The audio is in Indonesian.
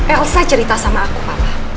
elsa cerita sama aku papa